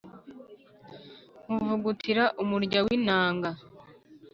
nk’ uvugutira umurya w’ inanga